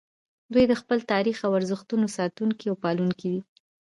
دوی د خپل تاریخ او ارزښتونو ساتونکي او پالونکي دي